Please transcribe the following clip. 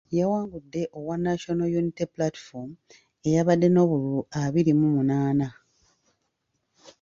Yawangude owa National Unity Platform eyabadde n’obululu abiri mu munaana.